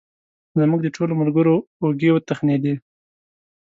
زموږ د ټولو ملګرو اوږې وتخنېدې.